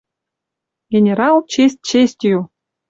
Генерал честь-честью